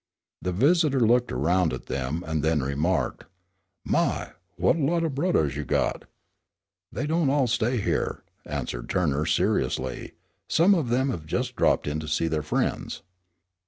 The visitor looked around at them, and then remarked: "My, what a lot of boa'dahs you got." "They don't all stay here," answered Turner seriously; "some of them have just dropped in to see their friends."